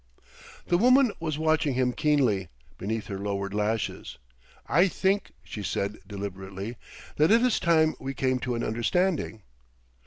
The woman was watching him keenly, beneath her lowered lashes. "I think," she said deliberately, "that it is time we came to an understanding."